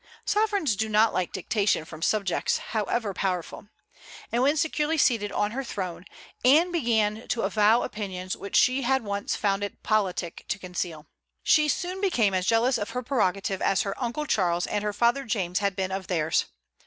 Sovereigns do not like dictation from subjects, however powerful. And when securely seated on her throne, Anne began to avow opinions which she had once found it politic to conceal. She soon became as jealous of her prerogative as her uncle Charles and her father James had been of theirs.